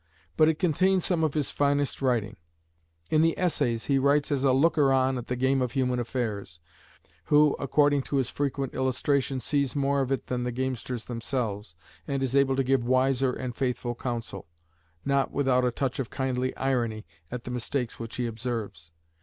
But it contains some of his finest writing. In the Essays he writes as a looker on at the game of human affairs, who, according to his frequent illustration, sees more of it than the gamesters themselves, and is able to give wiser and faithful counsel, not without a touch of kindly irony at the mistakes which he observes.